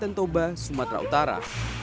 tentoba sumatera utara